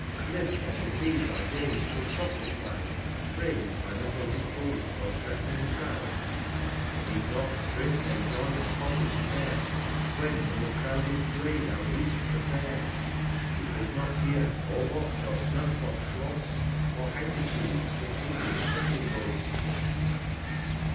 Lives there in these our Days so soft a Clown, Brav'd by the Bully's Oaths, or threat'ning Frown ? I need not strict enjoyn the Pocket's Care, 255 When from the crouded Play thou lead'st the Fair ; Who has not here, or Watch, or Snuff Box lost, Or Handkerchiefs that India* Shuttle boast